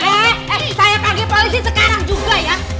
eh eh saya panggil polisi sekarang juga ya